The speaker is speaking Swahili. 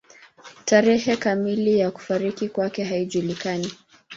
Tarehe kamili ya kufariki kwake haijulikani.